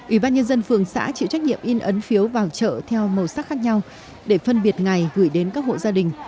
ủy ban nhân dân phường xã chịu trách nhiệm in ấn phiếu vào chợ theo màu sắc khác nhau để phân biệt ngày gửi đến các hộ gia đình